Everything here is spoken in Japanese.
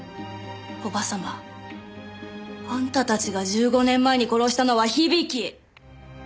叔母様あんたたちが１５年前に殺したのは響。